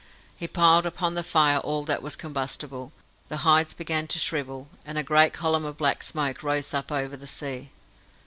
He piled upon the fire all that was combustible, the hides began to shrivel, and a great column of black smoke rose up over the sea.